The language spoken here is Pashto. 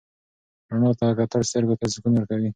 رڼا ته کتل سترګو ته سکون ورکوي.